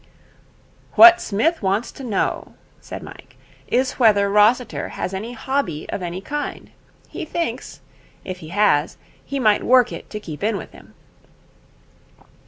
'What Smith wants to know,' said Mike, 'is whether Rossiter has any hobby of any kind. He thinks, if he has, he might work it to keep in with him.'